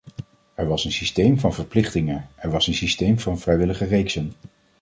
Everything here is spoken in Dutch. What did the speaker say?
Er was een systeem van verplichtingen, er was een systeem van vrijwillige reeksen.